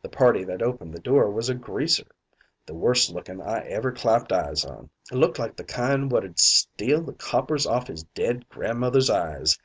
The party that opened the door was a Greaser, the worst looking I ever clapped eyes on looked like the kind wot 'ud steal the coppers off his dead grandmother's eyes.